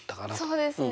そうですね。